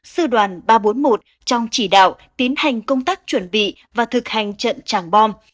sư đoàn ba trăm bốn mươi một trong chỉ đạo tiến hành công tác chuẩn bị và thực hành trận chẳng bom